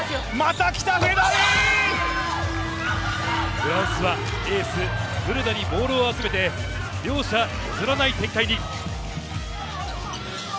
フランスはエースにボールを集めて、両者、譲らない展開に。